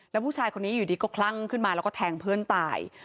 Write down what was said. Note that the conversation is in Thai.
แล้วผู้ชายคนนี้อยู่ดีก็คลั่งขึ้นมาแล้วก็แทงเพื่อนตาย